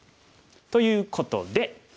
ということで。